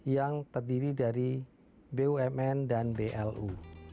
yang terdiri dari bumn dan blu